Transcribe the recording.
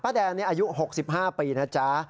แดงนี่อายุ๖๕ปีนะจ๊ะ